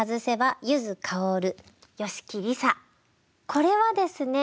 これはですね